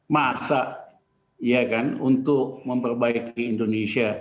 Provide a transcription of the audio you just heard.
masa ya kan untuk memperbaiki indonesia